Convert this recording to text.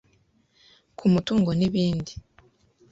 ku mutungo n’ibindi.